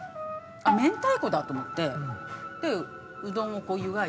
明太子だと思ってうどんをこう湯がいて。